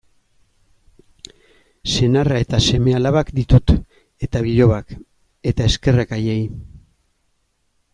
Senarra eta seme-alabak ditut, eta bilobak, eta eskerrak haiei.